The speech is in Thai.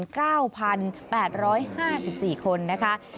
๑๙๘๕๔คนนะคะ